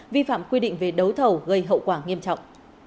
vi phạm quy định về đấu thầu gây hậu quả nghiêm trọng